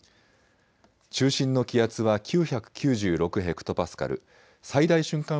中心の気圧は９９６ヘクトパスカル、最大瞬間